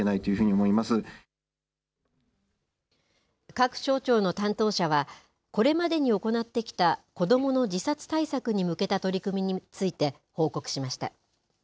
各省庁の担当者はこれまでに行ってきた子どもの自殺対策に向けた取り組みについて報告しました。